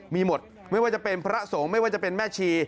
มีหมดไม่ว่าจะเป็นพระสงฆ์ไม่ว่าจะเป็นแม่ชี